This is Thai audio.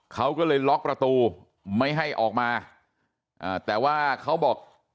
เขาก็เลยล็อกประตูไม่ให้ออกมาอ่าแต่ว่าเขาบอก